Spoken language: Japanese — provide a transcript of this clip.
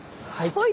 はい。